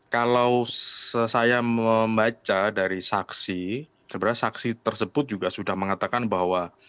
kalau saya membaca dari saksi sebenarnya saksi tersebut juga sudah mengatakan bahwa